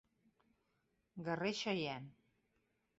Guerrer xeiene.